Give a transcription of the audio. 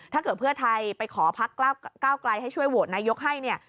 ถ้าเกิดเพื่อไทยไปขอพักก้าวไกลให้ช่วยโหวตนายกให้เนี่ย